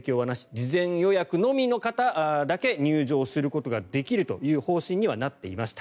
事前予約のみの方だけ入場することができるという方針になっていました。